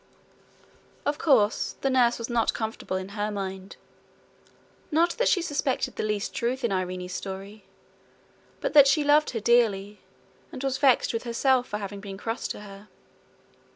Of course the nurse was not comfortable in her mind not that she suspected the least truth in Irene's story, but that she loved her dearly, and was vexed with herself for having been cross to her.